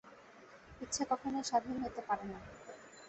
ইচ্ছা কখনও স্বাধীন হইতে পারে না।